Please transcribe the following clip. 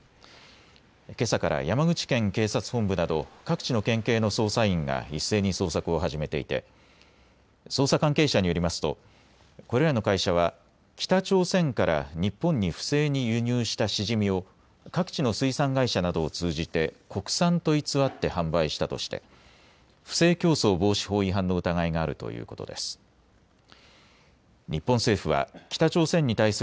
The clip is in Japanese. けさから山口県警察本部など各地の県警の捜査員が一斉に捜索を始めていて捜査関係者によりますとこれらの会社は北朝鮮から日本に不正に輸入したシジミを各地の水産会社などを通じて国産と偽って販売したとして不正競争防止法違反の疑いがあるということです。